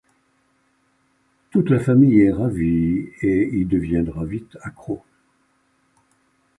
Toute la famille est ravie et y deviendra vite accro.